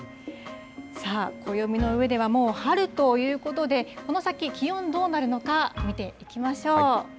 さあ、暦のうえではもう春ということで、この先、気温どうなるのか、見ていきましょう。